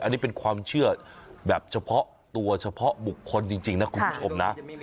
อันนี้เป็นความเชื่อแบบเฉพาะตัวเฉพาะบุคคลจริงนะคุณผู้ชมนะ